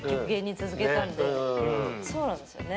そうなんですよね。